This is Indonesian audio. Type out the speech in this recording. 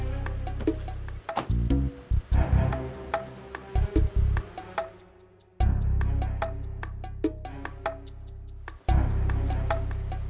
aku tidak suka ini